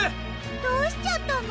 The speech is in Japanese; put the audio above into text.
どうしちゃったの？